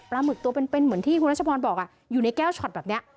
หมึกตัวเป็นเหมือนที่คุณรัชพรบอกอยู่ในแก้วช็อตแบบนี้